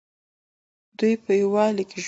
دوی په یووالي کې ژوند کوي.